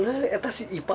nelik kamu harus ikut dia